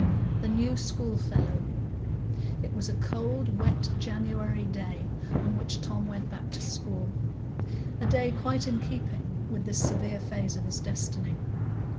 The New Schoolfellow It was a cold, wet January day on which Tom went back to school; a day quite in keeping with this severe phase of his destiny.